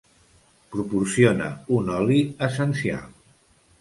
Proporciona un oli essencial.